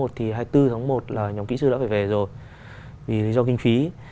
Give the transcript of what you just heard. thì hai mươi bốn tháng một là nhóm kỹ sư đã phải về rồi vì lý do kinh phí